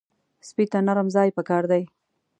سپي ته نرم ځای پکار دی.